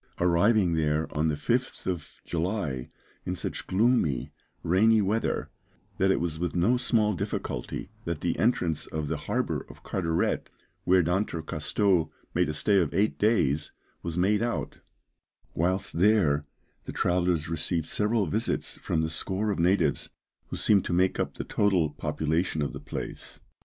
Arriving there on the 5th of July in such gloomy, rainy weather, that it was with no small difficulty that the entrance of the harbour of Carteret, where D'Entrecasteaux made a stay of eight days, was made out; whilst there the travellers received several visits from the score of natives, who seem to make up the total population of the place.